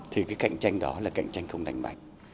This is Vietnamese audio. thì cái cạnh tranh đó là cạnh tranh không đánh mạnh